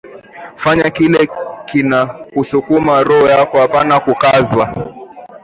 Fanya kile kina kusukuma roho yako apana kukazwa